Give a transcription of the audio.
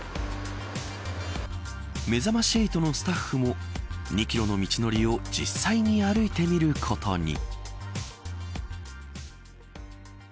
めざまし８のスタッフも２キロの道のりを実際に歩いてみることに。